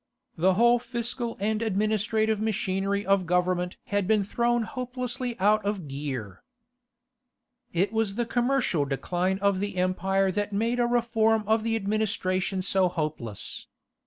The whole fiscal and administrative machinery of government had been thrown hopelessly out of gear. It was the commercial decline of the empire that made a reform of the administration so hopeless.